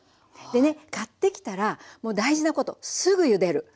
でね買ってきたらもう大事なことすぐゆでる。